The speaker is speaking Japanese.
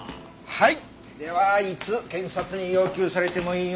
はい。